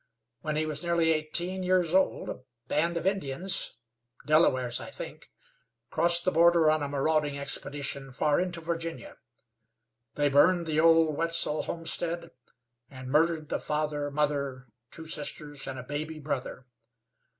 When he was nearly eighteen years old a band if Indians Delawares, I think crossed the border on a marauding expedition far into Virginia. They burned the old Wetzel homestead and murdered the father, mother, two sisters, and a baby brother.